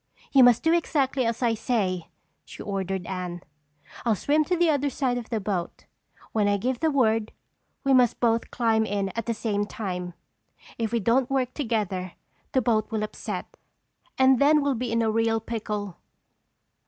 "You must do exactly as I say," she ordered Anne. "I'll swim to the other side of the boat. When I give the word we must both climb in at the same time. If we don't work together, the boat will upset and then we'll be in a real pickle!"